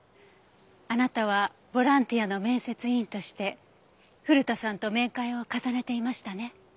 あなたはボランティアの面接委員として古田さんと面会を重ねていましたね？